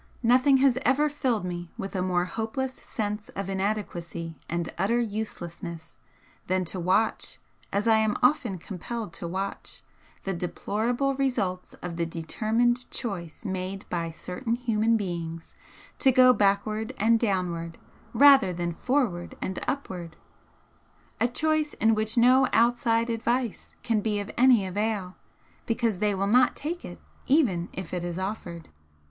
Nothing has ever filled me with a more hopeless sense of inadequacy and utter uselessness than to watch, as I am often compelled to watch, the deplorable results of the determined choice made by certain human beings to go backward and downward rather than forward and upward, a choice in which no outside advice can be of any avail because they will not take it even if it is offered.